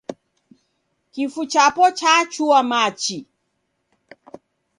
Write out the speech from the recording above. Kifu chapo yacha machi.